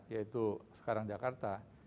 yaitu sekarang jakarta